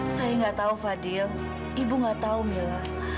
saya nggak tahu fadil ibu nggak tahu mila